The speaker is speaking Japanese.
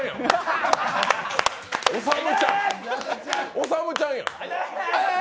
おさむちゃんや。